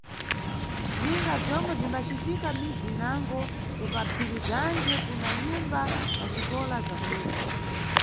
Ninga bzomwe bzimbacitika mʼmidzi inango, kuKaphirizanje kuna nyumba na xikola za kudeka.